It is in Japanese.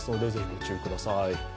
ご注意ください。